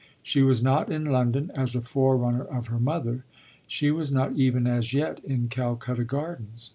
She was not in London as a forerunner of her mother; she was not even as yet in Calcutta Gardens.